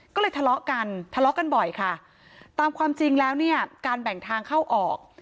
ก็เลยทะเลาะกันทะเลาะกันบ่อยค่ะตามความจริงแล้วเนี่ยการแบ่งทางเข้าออก